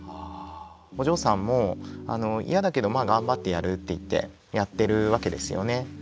お嬢さんも嫌だけどまあ頑張ってやるっていってやってるわけですよね。